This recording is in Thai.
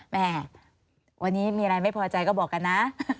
แม่วันนี้มีอะไรไม่พอใจก็บอกกันนะ